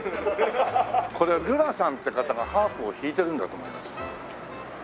これルナさんって方がハープを弾いてるんだと思います。